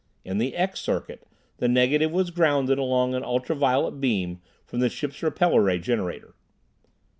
In the "X" circuit, the negative was grounded along an ultraviolet beam from the ship's repeller ray generator.